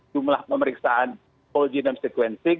jumlah pemeriksaan whole genome sequencing